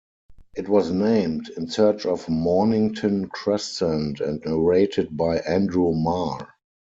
It was named "In Search of Mornington Crescent", and narrated by Andrew Marr.